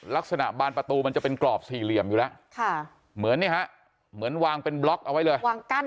ลักษณะบานประตูมันจะเป็นกรอบสี่เหลี่ยมอยู่แล้วเหมือนเนี่ยฮะเหมือนวางเป็นบล็อกเอาไว้เลยวางกั้น